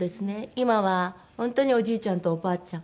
今は本当におじいちゃんとおばあちゃん。